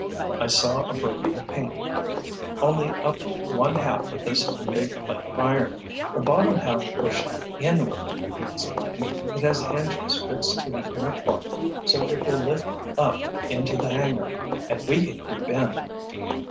"I saw a break in the paint, only up one half of this big plate of iron. "The bottom half pushed inward," he explained. "It has hinges fixed to the inner part so it will lift up into the hangar and we can creep in."